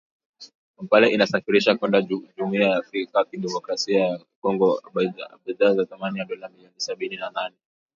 Kampala inasafirisha kwenda Jamuhuri ya Demokrasia ya Kongo bidhaa za thamani ya dola milioni sabini na nne